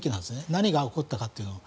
何が起こったかというのを。